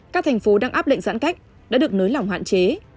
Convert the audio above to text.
các thành phố đang áp lệnh giãn cách đã được nới lỏng hạn chế